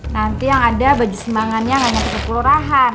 nanti yang ada baju sembangannya gak nyampe ke kelurahan